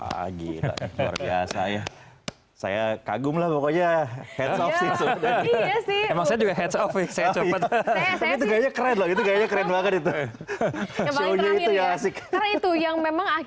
hai pagi saya kagumlah pokoknya